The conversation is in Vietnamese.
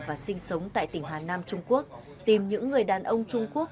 và sinh sống tại tỉnh hà nam trung quốc tìm những người đàn ông trung quốc